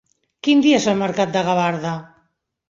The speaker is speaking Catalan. Quin dia és el mercat de Gavarda?